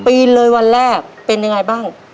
ปีนเลยวันแรกเป็นยังไงบ้าง